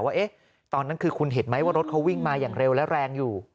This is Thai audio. ว่าตอนนั้นคือคุณเห็นไหมว่ารถเขาวิ่งมาอย่างเร็วและแรงอยู่